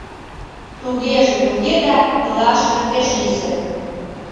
Тугеже туге да, илашыже пеш йӧсӧ.